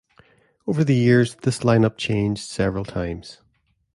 Over the years, this line-up changed several times.